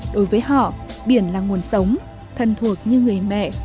đối với họ biển là nguồn sống thân thuộc như người mẹ